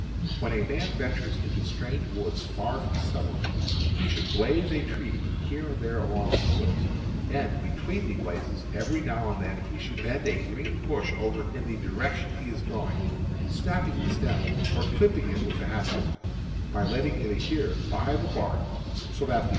When a man ventures into strange woods far from settlements, he should blaze a tree here and there along his course, and, between the blazes, every now and then he should bend a green bush over in the direction IS going, snapping the stem or clipping it with the Breaking a Trail. he hatchet, but letting it adhere by the bark so that the Fig.